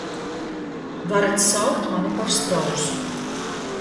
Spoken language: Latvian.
Varat saukt mani par strausu...